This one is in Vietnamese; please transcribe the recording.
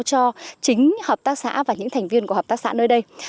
cho chính hợp tác xã và những thành viên của hợp tác xã nơi đây